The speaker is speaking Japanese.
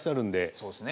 そうですね。